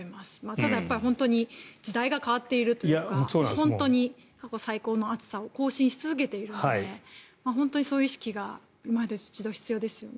ただ、本当に時代が変わっているというか本当に過去最高の暑さを更新し続けているのでそういう意識がいま一度、必要ですね。